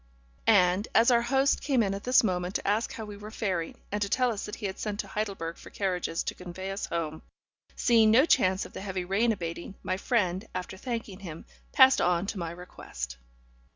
And, as our host came in at this moment to ask how we were faring, and to tell us that he had sent to Heidelberg for carriages to convey us home, seeing no chance of the heavy rain abating, my friend, after thanking him, passed on to my request.